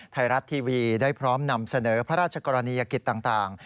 ไทยรัฐทีวีได้พร้อมนำเสนอพระราชกรณียกิจต่าง